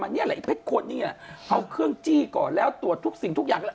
นี่แหละไอ้เพชรคนนี้เอาเครื่องจี้ก่อนแล้วตรวจทุกสิ่งทุกอย่างแล้ว